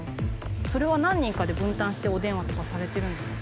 それは何人かで分担してお電話とかされてるんですか？